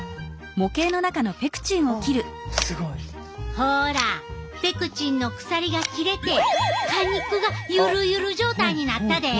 ほらペクチンの鎖が切れて果肉がゆるゆる状態になったで！